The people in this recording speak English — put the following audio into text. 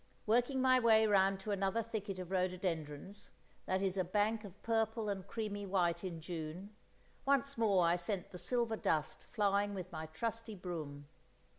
Working my way round to another thicket of rhododendrons, that is a bank of purple and creamy white in June, once more I sent the silver dust flying with my trusty broom.